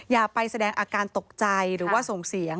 อย่าไปแสดงอาการตกใจหรือว่าส่งเสียง